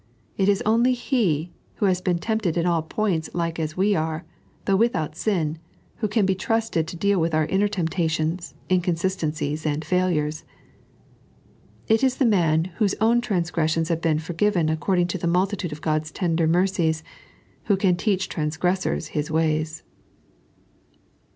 It is only He, who has been tempted in all points like as we are, thou^ without sin, who can be trusted to deal with our inner temptations, incoosigteQcies, and failures. It is the man whose own tranf^resaions have been forgiven according to the mnltitude of God's tender mercies who can teach trans gressors TTia ways.